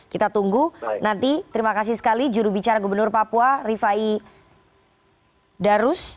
kita tunggu nanti terima kasih sekali jurubicara gubernur papua rifai darus